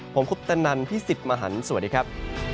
ผมคุปตนันพี่สิทธิ์มหันฯสวัสดีครับ